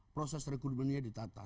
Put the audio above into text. proses rekrutmennya ditata